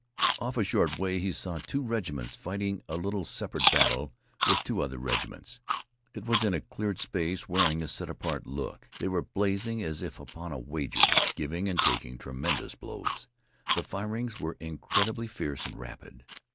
Off a short way he saw two regiments fighting a little separate battle with two other regiments. It was in a cleared space, wearing a set apart look. They were blazing as if upon a wager, giving and taking tremendous blows. The firings were incredibly fierce and rapid.